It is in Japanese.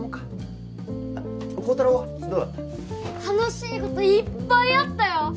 楽しい事いっぱいあったよ！